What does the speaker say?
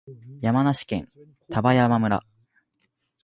山梨県丹波山村